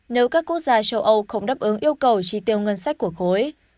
nếu các quốc gia châu âu không đáp ứng yêu cầu tri tiêu ngân sách của khối